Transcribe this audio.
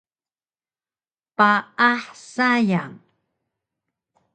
Paah sayang